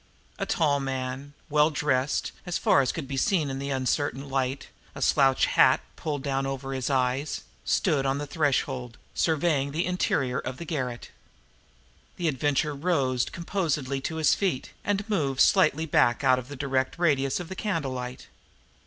A tall man, well dressed, as far as could be seen in the uncertain light, a slouch hat pulled far down over his eyes, stood on the threshold, surveying the interior of the garret. The Adventurer rose composedly to his feet and moved slightly back out of the direct radius of the candlelight.